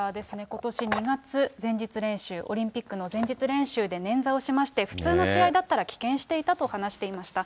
ことし２月、前日練習、オリンピックの前日練習でねんざをしまして、普通の試合だったら棄権していたと話していました。